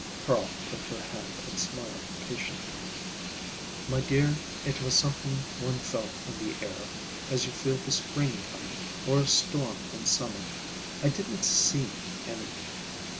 Carl took her hand and smiled patiently. "My dear, it was something one felt in the air, as you feel the spring coming, or a storm in summer. I didn't see anything.